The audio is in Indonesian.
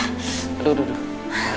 aduh aduh aduh